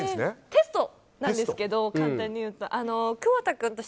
テストなんですけど簡単に言うと。